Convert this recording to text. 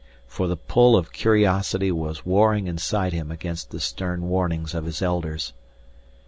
For the pull of curiosity was warring inside him against the stern warnings of his Elders.